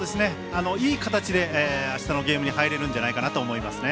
いい形で明日のゲームに入れるんじゃないかと思います。